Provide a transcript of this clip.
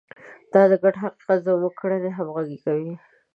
دا ګډ حقیقت زموږ کړنې همغږې کوي.